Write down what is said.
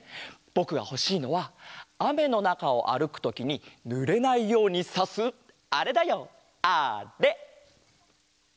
ぼくがほしいのはあめのなかをあるくときにぬれないようにさすあれだよあれ！